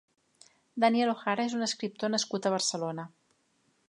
Daniel O'Hara és un escriptor nascut a Barcelona.